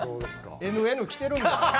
Ｎ．Ｎ来てるんで。